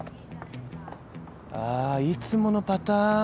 あいつものパターン。